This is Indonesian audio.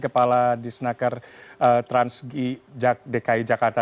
kepala disnaker transgi dki jakarta